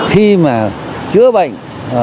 khi mà chữa bệnh